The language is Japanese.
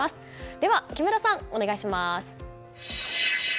では木村さん、お願いします。